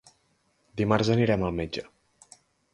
Dimarts anirem al metge.